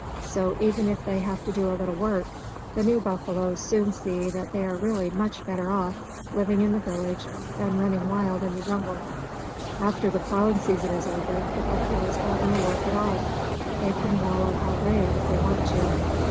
So, even if they have to do a little work, the new buffaloes soon see that they are really much better off living in the village than running wild in the jungle. After the plowing season is over, the buffaloes have no work at all. They can wallow all day, if they want to.